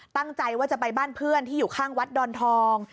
ตั้งใจว่าจะไปบ้านเพื่อนที่อยู่ข้างวัดดอนทอง